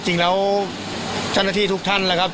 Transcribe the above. จริงแล้วเจ้าหน้าที่ทุกท่านนะครับ